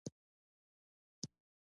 د مجبورولو قواوي.